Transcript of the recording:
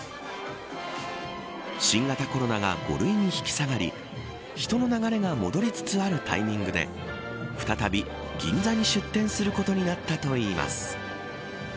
新型コロナが５類に引き下がり人の流れが戻りつつあるタイミングで再び銀座に出店することになったといいます。